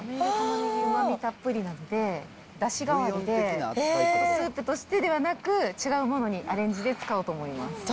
うまみたっぷりなので、だし代わりで、スープとしてではなく、違うものにアレンジで使おうと思います。